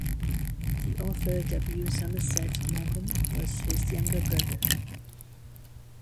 The author W. Somerset Maugham was his younger brother.